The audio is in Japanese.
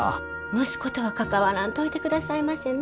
息子とは関わらんといてくださいませね。